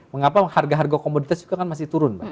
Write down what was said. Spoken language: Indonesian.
mengapa harga harga komoditas juga kan masih turun mbak